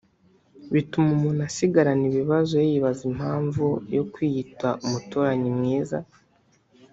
bituma umuntu asigarana ibibazo yibaza impamvu yo kwiyita “umuturanyi mwiza”